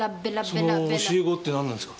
その教え子って何なんですか？